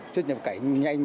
chất nhập cảnh nhanh